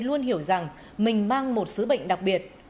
luôn hiểu rằng mình mang một sứ bệnh đặc biệt